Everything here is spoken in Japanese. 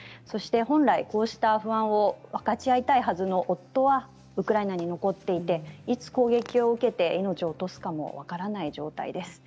本来、こうした不安を分かち合いたいはずの夫はウクライナに残っていていつ攻撃を受けて命を落とすかも分からない状態です。